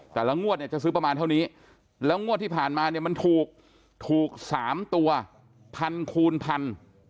แต่ละงวดเนี่ยจะซื้อประมาณเท่านี้แล้วงวดที่ผ่านมาเนี่ยมันถูกถูก๓ตัวพันคูณพัน